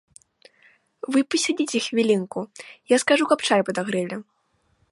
Вы пасядзіце хвілінку, я скажу, каб чай падагрэлі.